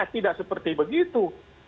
tidak seperti begitu